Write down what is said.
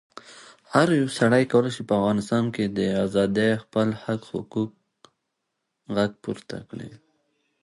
ازادي راډیو د تعلیمات د نجونو لپاره د ستونزو حل لارې سپارښتنې کړي.